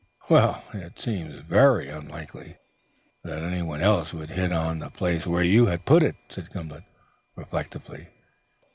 "It seems very unlikely that anyone else would have hit on the place where you had put it," said Gimblet reflectively.